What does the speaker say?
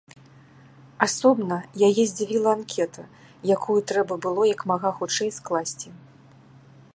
Асобна яе здзівіла анкета, якую трэба было як мага хутчэй скласці.